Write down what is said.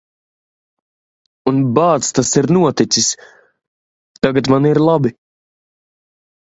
Un, bāc, tas ir noticis. Tagad man ir labi.